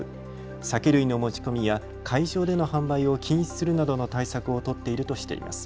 酒類の持ち込みや会場での販売を禁止するなどの対策を取っているとしています。